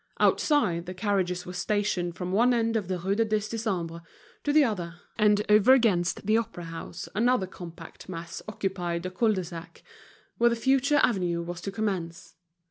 Outside, the carriages were stationed from one end of the Rue du Dix Décembre to the other, and over against the Opera house another compact mass occupied the cul de sac, where the future avenue was to commence.